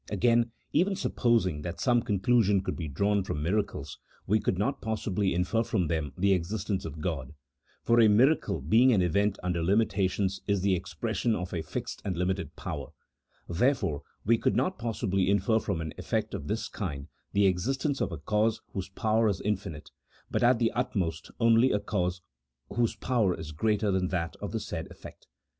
Again, even supposing that some conclusion could be drawn from miracles, we could not possibly infer from them the existence of God: for & miracle being an event under limitations is the expression of a fixed and limited power; therefore we could not possibly infer from an effect of this kind the existence of a cause whose power is infinite, but at the utmost only of a cause whose power is greater than that of the said effect.